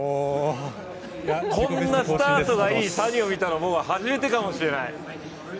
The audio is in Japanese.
こんなスタートがいいサニを見たの、初めてかもしれない。